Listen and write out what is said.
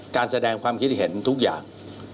การแสดงความคิดเห็นทุกอย่าง